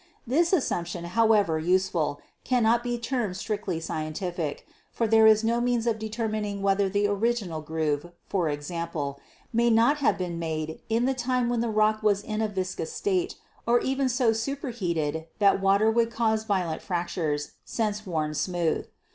This assumption, however useful, cannot be termed strictly scientific, for there is no means of determining whether the original groove, for example, may not have been made in the time when the rock was in a viscous state or even so super heated that water would cause violent fractures, since worn smooth.